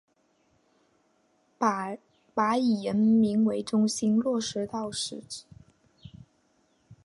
把以人民为中心落到实处